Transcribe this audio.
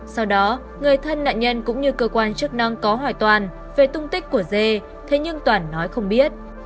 sau đó người thân nạn nhân cũng như cơ quan chức năng có hỏi toàn về tung tích của dê thế nhưng toàn nói không biết